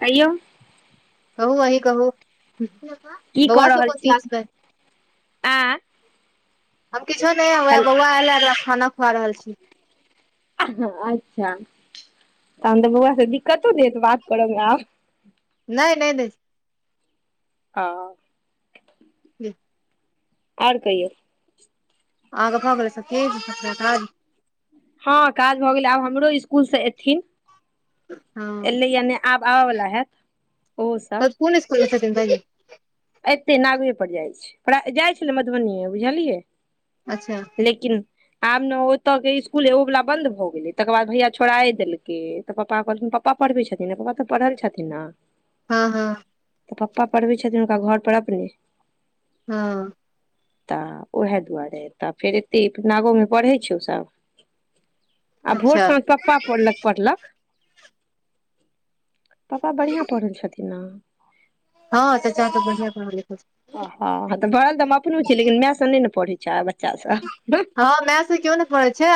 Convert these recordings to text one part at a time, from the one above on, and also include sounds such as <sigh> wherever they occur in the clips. कइयौ? कहू, अहिए कहू की कऽ बौआ, सभ रहल कोन छी क्लास आँ हम किछु नहि, हेल बौआके खाना खुआ रहल छी। अच्छा तहन तऽ बौआ दिक्कतो देत हेत बात करबमे आब। नहि नहि नहि ह ही ओर कहियौ? अहाँके भऽ गेल सभ चीज, सभ काज? हँ, काज भऽ गेलै। आब हमरो इसकुलसँ एथिन। हँ एलै यऽ नहि, आब आबऽ वाला हेत ओहो सभ। तऽ कोन स्कूलमे छथिन, भायजी? एतेक नजदीकपर जाइ छै, जाइ छल ने मधुबनी, बुझलियै। अच्छा लेकिन आब ने ओतयके स्कूल एगो वाला बन्द भऽ गेलै, तकर बाद भैया छोड़ाए देलकै। तऽ पप्पा कहलखिन, पप्पा पढ़बै छथिन ने? पप्पा तऽ पढ़ल लिखल छथिन ने। हँ हँ तऽ पप्पा पढ़बै छथिन हुनका घरपर अपने। हँ तऽ उएह दुआरे तऽ फेर एते नागो पढ़ै छौ उसभ। आ भोर अच्छा साँझ पढ़ै छौ। पप्पा पढ़ल लिखल छथिन, पप्पा बढ़ियाँ पढ़ल छथिन ने। हँ चाचा बढ़ियाँ पढ़ल लिखल छथिन। आ तऽ पढ़ल लिखल तऽ हमहूँ अपनो छियै, लेकिन मायसँ नहि ने पढ़ै छै बच्चा सभ। हँ मायसँ केओ नहि पढ़ै छै,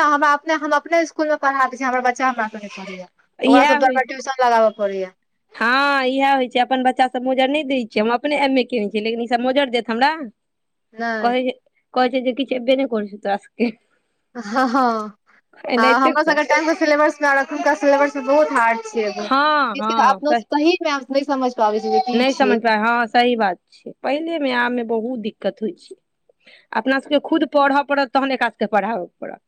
हम अपने स्कूलमे पढ़ा दै छी। हमर बच्चा सभ हमरा सँ पढ़ै छै। ओकरा इएह होइ सभके ट्यूशन लगाबऽ पड़ै छै। हँ इएह होइ छै अपन बच्चा सभ, मजा नहि दै छियै। हम अपने एम ए केलहुँ, लेकिन ई सभ मजा देत हमरा। नहि कहै छै जे किछु नहि करऽ छौ तोरा सभकेँ हँ हँ हँ हमर कह सबके टे सेबस मे एखुनका सिलेबस बहुत हार्ड छो हँ हँ <unintelligible> की नहि छियै समझ पाय हँ सही बात छै पहिलेमे आब मे बहुत दिक्कत होइ छै अपना सबके खुद पढ़य पड़त तहन एकरा सभके पढ़ाबय पड़त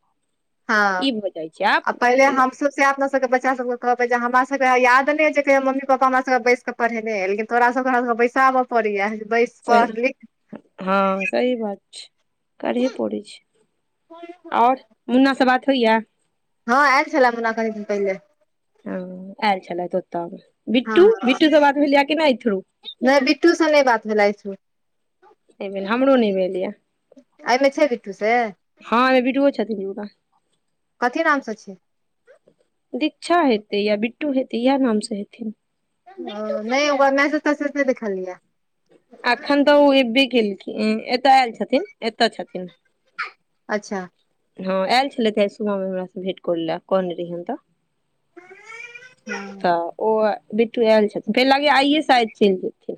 ई हँ भऽ जाइ छै आब पहिले हमस अपना सबके बच्चा सबके कहबै हमरा सबके याद नहि जे मम्मी पपापा हमरा सब बैस क पढ़ेने लेकिन तोरा सबराके बैसाब पड़यैस सही हँ सही बात छै करहे पड़ै छै ओर मुन्नासँ बात होइय हँ आ छल मुना कनि दिन पहिले ह आयल छलथ ओतय बिट्टू हँ बिट्टू सब बात भेल के नहि इरू नहि बिट्टूसँ नहि बात भेलइ छ भेल हमरो नहि भेल यऽ एहिमे छै बिट्टू से हँ छथिन कथी नामसँ छियै दीक्षा हेतै या बिट्टू हेतै इएह नामसँ हेथिन ओ नहि हा मैस तसे नहि देखिखल लिय एखन तऽ ओ एबे केलखिन एतऽ आयल छथिन एतऽ छथिन अच्छा हँ आयल छलथि ते आइ सुबहमे हमर से भेट करै लए कने रहियैन तऽ <unintelligible> तऽ ओ बेटू आयल छथिन फेर लागे आइए से आज चलि जेथिन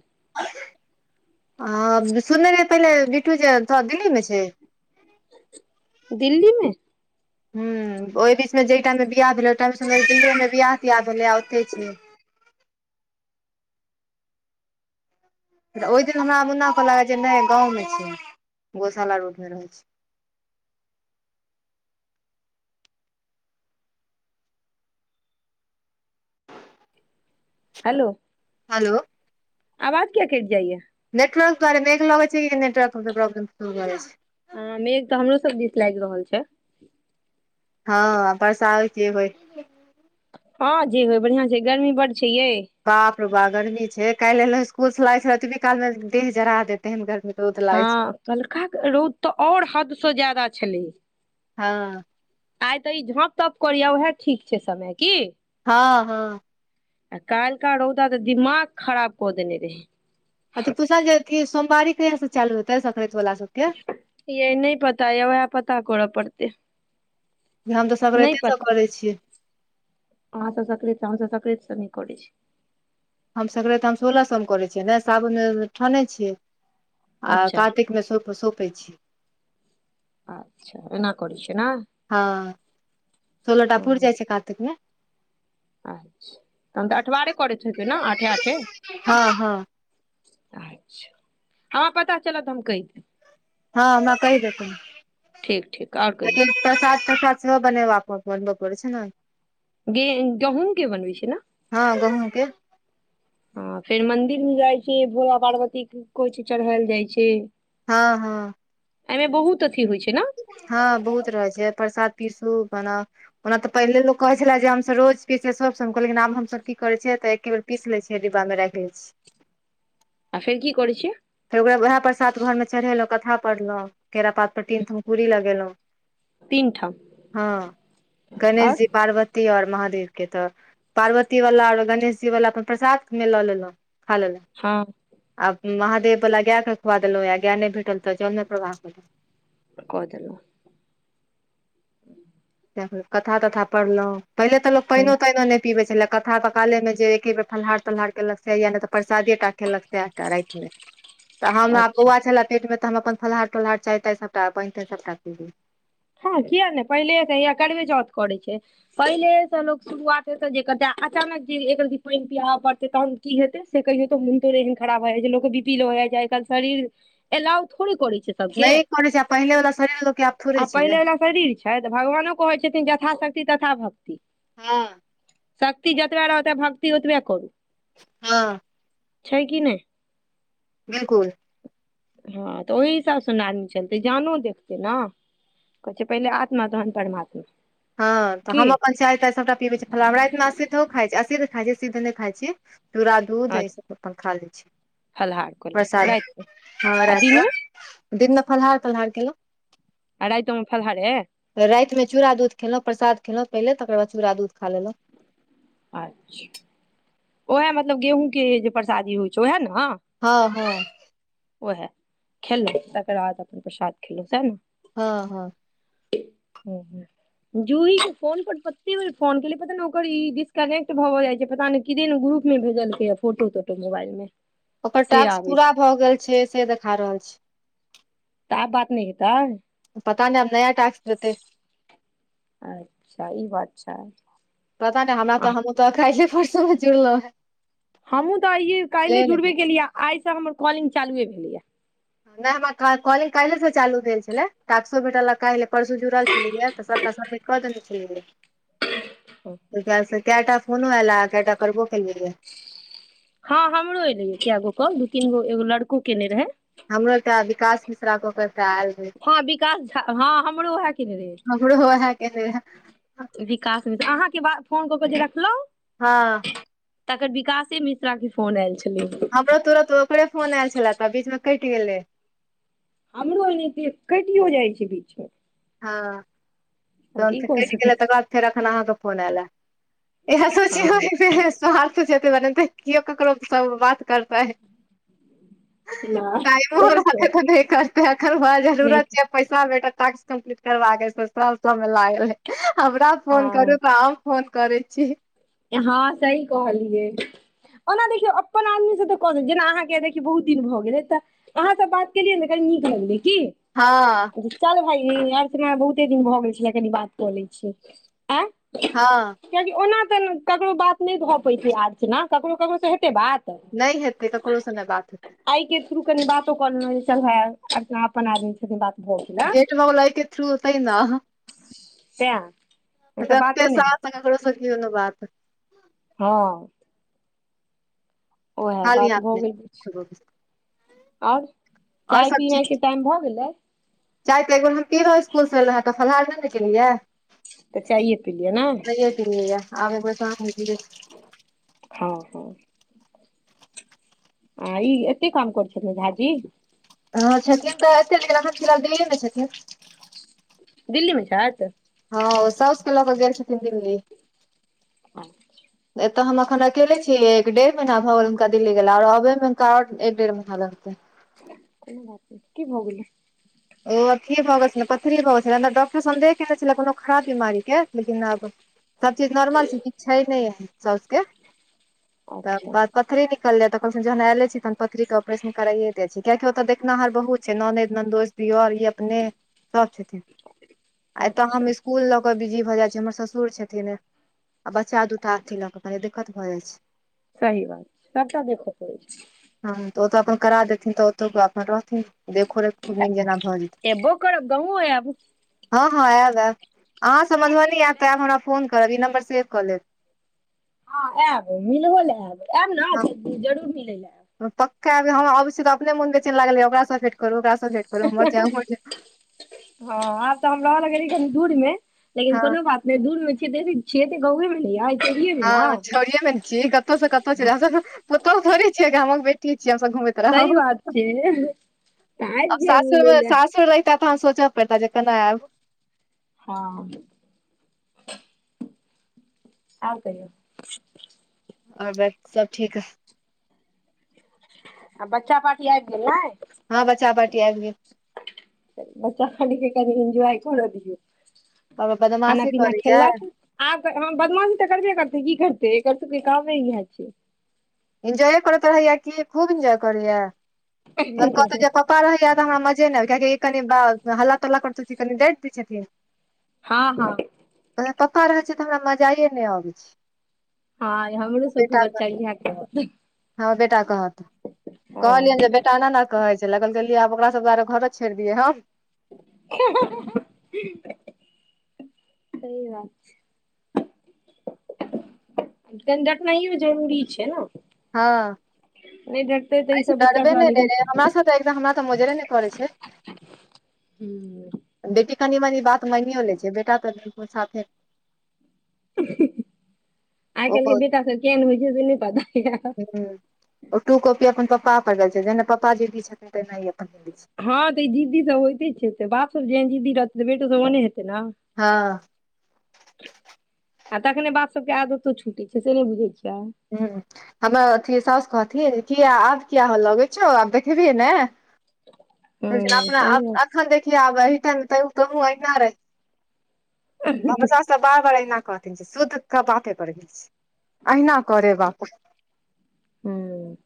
आ सुनने रह पहिले बिठू छै थ दिल्ली मे छै दिल्लीमे हूँ ओहि बीचमे जहि टाइममे बिआह भेलै ओहि टाइमसँ दिल्लेमे बियाह तिआह भेलै आ ओतहि छै ऽ ओहि दिन हमरा मुन क लाग जे नहि गाँवमे छीियै गौशाला रोड मे रहैत छी हेलो हेलो आवाज क्या कट जाइयए नेटवर्क दारे मेघ लग छै कि नेटवर्क प्रोब्म छै ह मेघ तऽ हमरो सब दिस लाग रहल छै हँ बस आै छ भइ हँ जे होय बढ़ियाआं छै गर्मी बड्ड छै ये बाप रू बा गर्मी छै काल्हबएल इसकुल छल त भी काल में देह जढ़ा देते हन गर्मी रौद लागै छै हँ कलकाके रौद तऽ आओर हदसँ ज्यदा छलै हँ आइ तऽ ई झाँप ताँप करिय उएह ठीक छै समय की हँ हँ आ काल्का रहौदा तऽ दिमाग खराब कऽ देने रहै अथी पूछल जेी सोमवारी कहिं से चालू हेतै सक्रंत वला सबके यह नहि पता य वएह पता करऽ पड़तै हम तऽ नहि सक्रते पता सभ करै छियै <unintelligible> हम संक्राति हम सोल स मे करे छियै ने साबुन ठाने छीियै आ अच्छा कातिक स संपै छी अच्छा एना करे छै ने हँ सोलह टापुर हँ जाइ छै कातिक मे अच्छा तहन तऽ अठबारे करैत हेतै ने आठे आठे हँ हँ अच्छा हमरा पता चलत तऽ हम कहि देब हँ हम कहि देत ठीक ठीक आर कहियौ प्रसाद त्रसाद सेहो बने बा बनबै पड़ै छै ने गे गहूँंम के बनबै छै ने हँ गहूँमके हँ फेर मंदिर मे जाइ छै भोला पार्वती के किछु चढ़ायल जाइ छै हँ हँ एमे बहुत अथि होइ छै ने हँ बहुत रहैत छै परसाद पिरसू बना ओना तऽ पहिले लोक कहैत छलै जे हमसभ रोज पियै छियै सभ संग लेकिन आब हमसभ कीै करै छियै तऽ एके बेर पीस लै छियै डिब्बा मे राइख लै छी आ फेर की करै छै फेर उएह प्रसाद घरमे चढ़ेलहुँ कथा पढ़लहुँ केरा पात पर टीन तीन ठाम हँ गणेश आओर जी पार्वती ओर महादेव के तऽ पार्वती वाला आओर गणेश जी वाला अपन प्रसाद मे लऽ लेलहुँं खा लेलहु हँ आब महादेवला गायकेँ खुआ देलहुँं या गाय नहि भेटल तऽ जलमे प्रवाह कहु कऽ देलहु कथा तथा पढ़लहुँ पहिले त लोग हँ पैनों तैनो नहि पीबै छल लेक कथा पकाले मे जे एके बेर फलहार तलहार के लग या ने तऽ परसादीटा खेलक सेहा राति मे तऽ हमरा अच्छा बौआ छल पेट मे तऽ हम अपन फलाहार तलहार चाय ताय सभटा पनि तनि सभटा पीै हँ किया नहि पहिले त अ करड़बे चौथ करै छै पहिले से लोकोग शुरुआत हेते जे क अचानक जे एकर पानि पिआबऽ पड़ते तहन क हेै से कहिय तो मोन तो एहन खराब भ जाइ छै लोकग बिपीलो हो जाइ छै आइ काल शरीर एलाऊ थोड़ी करै छै सबके नहि करय छै से पहिले बला शरीर लोक के आ थोड़े छै पहिलेवला शरीर छै तऽ भगवानो कहै छथिन यथाशक्ति तथा भक्ति हु शक्ति जतबे रहतै भक्ति ओतबे करू हँ छै कि नहि बिलकुल हँ तऽ ओहहि हिसाबसँ ने आदमी चलतै जानो देखतै ने कहै छै पहिले आत्मा तहन परमात्मा हँ तऽ की हम अपन चाय ताय सभटा पीबै छी रायत मे हम असीध खाइ छै असीध खाइ छै सीध नहि खाइ छै चूरा दूध अच्छा अपन खा लै छै फलाहार केलहुँ बरसाद रातिमे आ ह दिनमे दिन में फहलार तलहार के लौ आ राइतो मे फलहारे रातिमे चूड़ा दूध खेलहुँ प्रसाद खेलहुँ पहिले तकर बाद चूड़ा दूध खा लेलहुँ अच्छा ओएह मतलब गेहूँके जे परसादी होइ छै ओएह ने हँ हँ ओएह खेलहु तकर बाद अपन प्रसाद खेलहुं सह ने हँ हँ ह जूहि के फोन पर कत्ते बेर फोन केलीए पता ने ओकर डिस कनेक्ट भऽ भऽ जाइ छै पता नहि किदेन ग्रुप मे भेजलकै हं फोटो तोटो मोबाइल मे ओकर से टास्क आबै पूरा छै भऽ गेल छै से देखा रहल छै तऽ आब बात नहि हैतन पता नहिब नया टास्क देतै अच्छा ई बात छै पता नहि हमरा आ तऽ हमहूँ तऽ काइले परसुमे जुड़लहुँ हमहु तऽ आइये काइले हे जुड़बे केलिय आइ से हमर कॉलिंग चालुए भेले या नहि हमरा कॉलिंग काल्हिसँ चालू भेल छलै टाक्सो भेटल काइले परसू जुड़ल छलैयए तऽ सभटा सम्मिट कऽ देने छलियैै कैयटा फोन आइल हं कैयटा करबो केै हँ हमरो एलेयै कगो कह दू तीन गो एगो लड़को केने रहे हमरो एकटा विकास मिश्रा कऽ क एकटा तऽ आयल रहे हँ विकास झा हँ हमरो उएह कने रहे हमरो ओएह केने रहे विकासमे अहाँके ब फोन कऽ के जे देखखलहुँ हँ तकर विकासशे मि रा के फोन आयल छलै हमरो तुरंत ओकरे फोन आयल छले तऽ बीचमे कटि गेलै हमरो एनाहिते कटियो जाइ छै बीच मे हँ हम तहन की फेर कऽ कटि सकै गेलै तकर बाद छी फेर एखन अहाँके फोन आयलए इह हँ सोचिय <unintelligible> केओ ककरो स बात करतै नहि टाइमो सही कह रहतै त नहि करते अखन नहि जरूरत छै पैसा बेटा टास्क कम्पलीट कर मे लागल हे हमरा फोन हँ करू तऽ फोन करै छी हँ सही कहलियै ओना देखियौ अपन आदमी से तऽ कहऽ द जेना अहाँके देखियौ बहुत दिन भऽ गेलै तऽ अहाँ स बात केलियै ने कनि नीक लगलै की हँ चल भाई अर्चना बहुते दिन भऽ गेल छलै कनि बात कऽ लै छी आय हँ कियकि ओना तऽ ककरो बात नहि भऽ पैततै आज ने ककरो ककरोसँ हेतै बात नहि हेतै ककरो से नै बात हेतै आइ के थ्रू कनि बातो करलं चल हे अपन आदमी छथिन बात भऽ गेल हँ जेट म लइके थ्रू तै ने तैँ नहि तऽ जेते बातो नहि साल स ककरो स कियो न बात हाँ ओएह खाली बात हाथ भऽ गेल नहि आओर चाय पिना के टाइम भऽ गेलै चाह तऽ एक बेर हम पीलौं हं स्कूलसँ एल रहँ तऽ फलहार नहि ने केलियै तऽ चायए पिलियै ने <unintelligible> हँ हँ आ ई एतेक काम करथि झाजी ह छथिन तऽ एते अखन दिनाँ दिल्लीये ने छथिन दिल्लीमे छै तऽ हँ सउस लग क गेल छथिन दिल्ली <inaudible> एतऽ हम अखन अकेले छीिय एक डेढ़ महीना भऽ गेल हुनका दिल्ली गेला आओर अबे मे हा आ एक डेढ़ महीना लगते कोनो बात नहि कि भौ गेलै ओ अथी भऽ गेल छल पथरी भऽ गेल छला डॉक्टर सन्देह केने छलै कोनो खराब बीमारी के लेकिन आब सब चीज नॉर्मल छै किछ छै नहि साउसके तब अच्छा ब पथरी निकल जाय त कहल जहन एले छी तहन पथररी के ऑपेशन करइए दे द छै कियाकि ओतऽ देखनाहार बहुत छै ननद नन्दोइस दियर ई अपने सब छथिन आ एतऽ हम अच्छा इ कुल लऽ कऽ बिजी भऽ जाइत छै हमर ससुर छथिन आ बच्चा दुटा अथी लऽ कऽ कनि दिक्कत भऽ जाइत छै सही बात सबटा देखऽ परै छै हँ तऽ ओतऽ अपन करा देथिन तऽ ओतो रहथिन देखोरेखो निक जेना भऽ जेत छै एबो करब गाँवो आयब हँ हँ ऐब ऐब अहाँसब मधुबनी आयब त आब हम फोन करब ई नम्बर सेव कऽ लेब ह आयब मिलबो ल आयब हँ आयब ने जरूर मिलै ल आयब पक्का आयब हम अबै छी तऽ अपने मुन बेचैन लागयै य। ओकरा सँ भेंट करू ओकरा सं हँ आब तऽ हम रह लगी कनी दूर मे लेकिन हँ कोनो बात ने दूर में <unintelligible> छिये ते गावे मे ने य हँ छोड़ ने छी कतहुं कतहुं चैल जाइब हमसभ पुतौह थोड़ी छियै गामक बेटीय छिय हमस घु त सही बात छै तऽ आबि जायब मिलै सासुरमे लए सासुर तऽ तह सोचऽ पैर तऽ जे केना आयब हँ ह आब कहियौ आओर बस सब ठीक ह आ बच्चा पार्टी आबि गेल ने हँ बच्चा पार्टी आबि गेल बच्चा सब के कनि दिन एन्जॉय कर दीऔ और खाना बदमाशी पीना करैया खेलक आब तऽ बदमाशी तऽ करबे करतै की करतै एकर सबके कामे इएह छै इन्जॉय करैत रहैया कि खूब इन्जॉय करेया कत छै पऽरहै रहैया तऽ हमरा मजे नहि आबै य कियाकि कनि ह्ला तल्ला कर कनिडट दै छथिन हँ हँ ओ पप्पा रहै छैय तऽ हमरा मजाइए नहि अबै छैय हँ हमरो सबके बच्चा कहत कहलियै जे बेटा एना ने कहै छै लगल गेलियै आब ओकरा सब दआरे घरे छोड़ि दियै हँ <inaudible> सहि बात छै कनि डटनाइो जरूरी छै ने हँ नहि डटतेै तऽ ई सब बच्चा <inaudible> म हमरा तऽ मजरे नहि करै छै हूँ बेटी कनि मनि बात मानओ लै छै बेटा तऽ साफे नय आइ ओ काइल के बेटा सब केहेन होइ छै से नहि पता हुँ ओ टू कॉपी अपन प्पा पर गेल छै जेना प्पा जिद्दी छथिन तहिना ई अपन दै छै हँ तऽ ई जिद्दी सब होयइते छै तऽ बाप सब जेहन जीद्दी रहतै तऽ बेटो सब ओने हेतै ने हँ आ तखने बात सबके आदतो छुटी छै से नहि बुझै छियै हू हमर अथि साॅस कहथिन किया आब किया होलगै छौ आब देखेबि ने हूँ अपना सही बात अखन छै देखि आब एहिठ त कह अहिना रहै भदशा सब बार बार अहिना कहथिन शुद्ध के बाते पर गेल छै अहिना कोरे बाप हूँ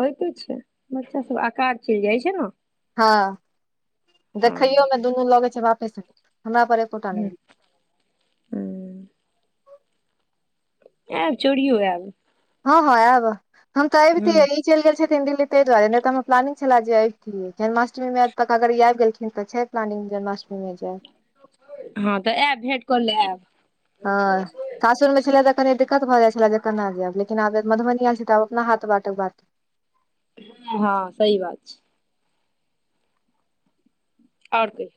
होयइते छैय बच्चा सब आकार चलि जाइ छैर न हँ देखयो मे दुनू लगे छै बापेसन हमरा पर एकोटा नहि गेल हूँ आयब चुड़ीओ आयब हँ हँ आब हम त अइबते हूँ चलि गेलथिन दिल्ली ताहि दुआरे नहि तऽ हम प्लानिंगग छले जे आबितियै जन्माष्टमी मे तक अगर ई आबि गेलखिन तऽ छै प्लानिंग जन्माष्टमी जे हँ तऽ आयब भेंट कर ले आयब हाँ सासुर में छलैया त कनि दिक्कत भऽ जाइ छलै जे केना जाय लेकिनब मधुबनी आयल छी तऽ आब अपना हथ बाटक बात हँ सहि बात छै आओर की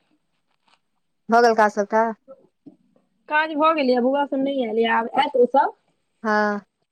भऽ गेल काज सबटा काज भऽ गेलै बौआा सब नहि आयल आब आत ओ सब हँ